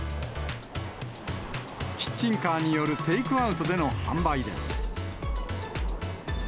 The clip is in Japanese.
キッチンカーによるテイクアウトでの販売です。